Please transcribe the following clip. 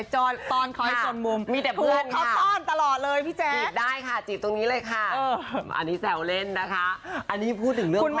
หนูไม่คุยมีแต่เพื่อน